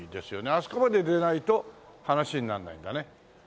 あそこまで出ないと話にならないんだね。